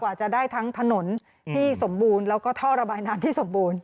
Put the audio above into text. จะได้ทั้งถนนที่สมบูรณ์แล้วก็ท่อระบายน้ำที่สมบูรณ